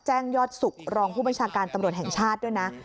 แจ้งยอดสุขรองผู้บัญชาการตำรวจแห่งชาติด้วยนะ